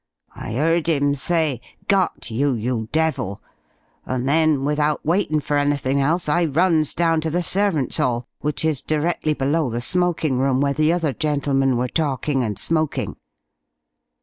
I 'eard 'im say, 'Got you you devil!' and then without waitin' for anything else, I runs down to the servants' 'all, which is directly below the smoking room where the other gentlemen were talking and smoking.